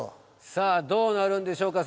さあどうなるんでしょうか。